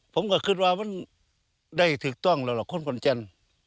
ผมก็คิดว่ามันได้ถูกต้องแล้วล่ะคนคนจันทร์